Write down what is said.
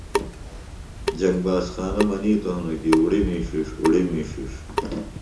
جنگ باز خانہ منِیتوۡ ہِنوۡ کیۡ اُڑیۡ می ݜݜ، اُڑیۡ می ݜݜ